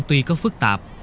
tuy có phức tạp